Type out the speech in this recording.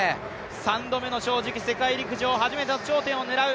３度目の正直、世界陸上初めての頂点を狙う。